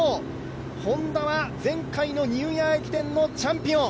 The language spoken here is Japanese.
Ｈｏｎｄａは前回のニューイヤー駅伝のチャンピオン。